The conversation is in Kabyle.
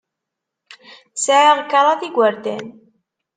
Sɛiɣ kraḍ n yigerdan.